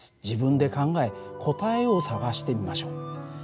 自分で考え答えを探してみましょう。